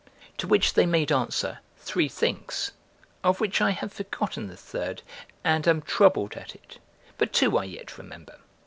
To which they made answer, three things, of which I have forgotten the third, and am troubled at it, but two I yet remember.